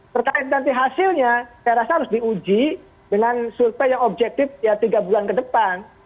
terkait nanti hasilnya saya rasa harus diuji dengan survei yang objektif ya tiga bulan ke depan